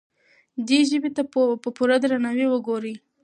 دې ژبې ته په پوره درناوي وګورئ.